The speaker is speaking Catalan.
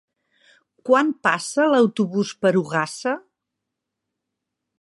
Quan passa l'autobús per Ogassa?